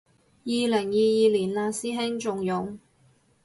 二零二二年嘞師兄，仲用